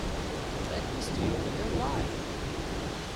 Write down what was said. Let me stay a little while!